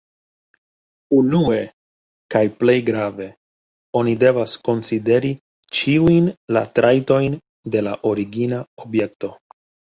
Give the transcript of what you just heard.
Unue, kaj plej grave, oni devas konsideri ĉiujn la trajtojn de la origina objekto.